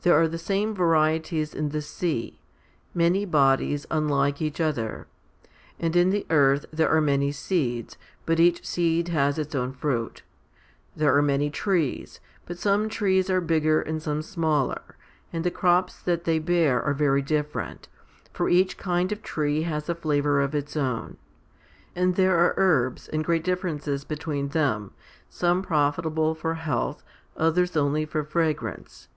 There are the same varieties in the sea many bodies unlike each other ; and in the earth there are many seeds, but each seed has its own fruit. There are many trees ; but some trees are bigger and some smaller, and the crops that they bear are very different ; for each kind of tree has a flavour of its own. And there are herbs, and great differences between them some profitable for health, others only for fragrance.